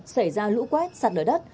xảy ra lũ quét sạt đời đất